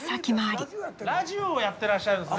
ラジオをやってらっしゃるんですね。